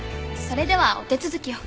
それではお手続きを。